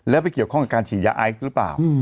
แล้วไปเกี่ยวข้องกับการฉีดยาไอซ์หรือเปล่า